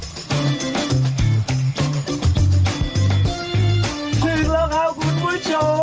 ถึงแล้วครับคุณผู้ชม